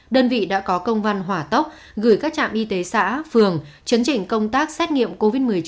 đơn vị đã có công văn hỏa tốc gửi các trạm y tế xã phường chấn chỉnh công tác xét nghiệm covid một mươi chín